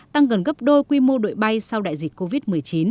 tăng gần gấp đôi quy mô đội bay sau đại dịch covid một mươi chín